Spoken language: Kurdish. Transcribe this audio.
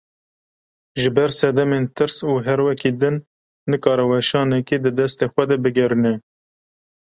Ji ber sedemên tirs û herwekî din, nikare weşanekê di destê xwe de bigerîne